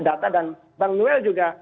data dan bang noel juga